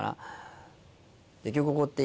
結局こうやって。